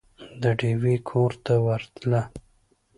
د ډېوې کور ته ورتله